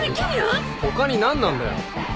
他に何なんだよ。